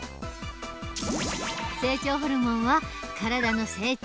成長ホルモンは体の成長